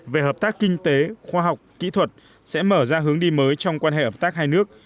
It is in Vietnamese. về hợp tác kinh tế khoa học kỹ thuật sẽ mở ra hướng đi mới trong quan hệ hợp tác hai nước